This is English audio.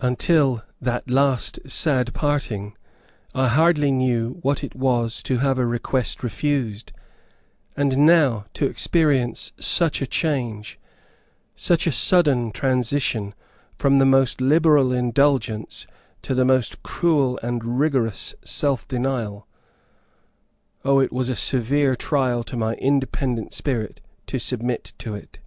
Until that last sad parting, I hardly knew what it was to have a request refused; and now, to experience such a change such a sudden transition from the most liberal indulgence to the most cruel and rigorous self denial Oh, it was a severe trial to my independent spirit to submit to it.